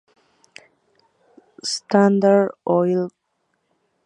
Standard Oil Co.